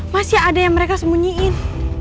masih ada yang mereka sembunyiin